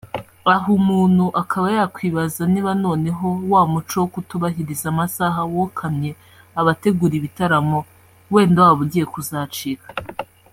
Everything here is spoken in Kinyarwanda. Aha umuntu akaba yakwibaza niba noneho wa muco wo kutubahiriza amasaha wokamye abategura ibitaramo wenda waba ugiye kuzacika